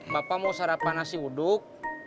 bapak mau sarapan nasi uduk